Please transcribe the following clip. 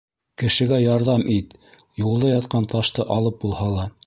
Кешегә ярҙам ит, юлда ятҡан ташты алып булһа ла.